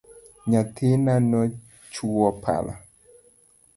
Nyathina nochwo pala